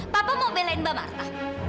papa mau belain mbak marta